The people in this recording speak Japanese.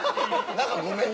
何かごめんな。